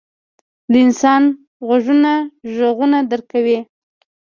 • د انسان غوږونه ږغونه درک کوي.